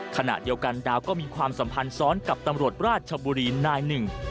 ขณะเดียวกันดาวก็มีความสัมพันธ์ซ้อนกับตำรวจราชบุรีนายหนึ่ง